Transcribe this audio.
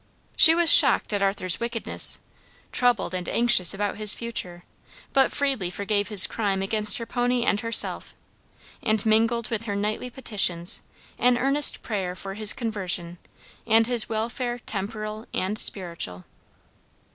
She was shocked at Arthur's wickedness, troubled and anxious about his future, but freely forgave his crime against her pony and herself, and mingled with her nightly petitions an earnest prayer for his conversion, and his welfare temporal and spiritual.